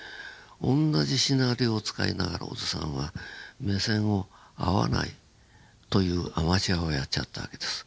同じシナリオを使いながら小津さんは目線を合わないというアマチュアをやっちゃったわけです。